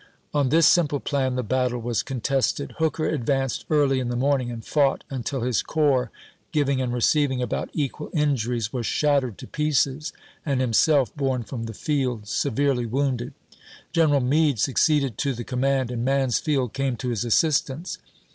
On this simple plan the battle was contested. Hooker advanced early in the morning, and fought until his corps, giving and receiving about equal injuries, was shattered to pieces, and himself borne from the field, severely wounded. General Meade succeeded to the com mand, and Mansfield came to his assistance.